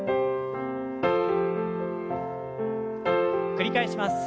繰り返します。